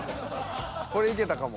これいけたかも。